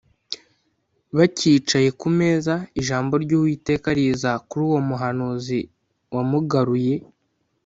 Bacyicaye ku meza, ijambo ry’Uwiteka riza kuri uwo muhanuzi wamugaruye